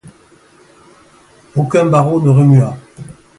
Aucun barreau ne remua.